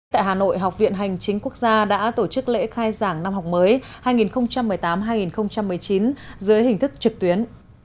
tại hà nội học viện hành chính quốc gia đã tổ chức lễ khai giảng năm học mới hai nghìn một mươi tám hai nghìn một mươi chín dưới hình thức trực tuyến